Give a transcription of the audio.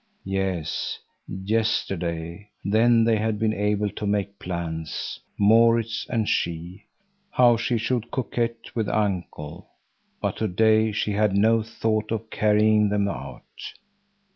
—Yes, yesterday, then they had been able to make plans, Maurits and she, how she should coquet with uncle, but to day she had no thought of carrying them out.